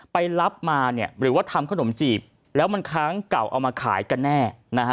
ไปรับมาหรือว่าทำขนมจีบแล้วมันค้างเก่าเอามาขายกันแน่